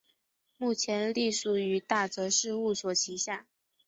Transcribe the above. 目前隶属于大泽事务所旗下。